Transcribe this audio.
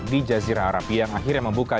di jazirah arab yang akhirnya membuka